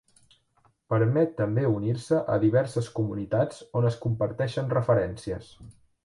Permet també unir-se a diverses comunitats on es comparteixen referències.